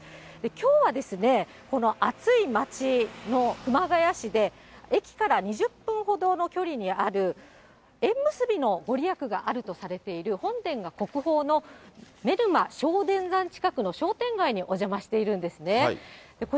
きょうはこの暑い町の熊谷市で、駅から２０分ほどの距離にある縁結びのご利益があるとされている、本殿が国宝の近くの商店街にお邪魔しているんですね。